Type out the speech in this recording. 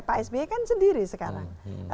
pak sby kan sendiri sekarang